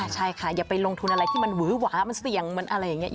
ใช่ค่ะอย่าไปลงทุนอะไรที่มันหวือหวามันเสี่ยงมันอะไรอย่างนี้